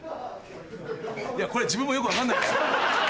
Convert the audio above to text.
いやこれ自分もよく分かんないんですよ。